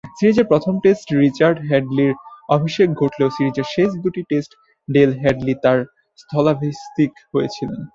সিরিজের প্রথম টেস্টে রিচার্ড হ্যাডলি’র অভিষেক ঘটলেও সিরিজের শেষ দুই টেস্টে ডেল হ্যাডলি তার স্থলাভিষিক্ত হয়েছিলেন।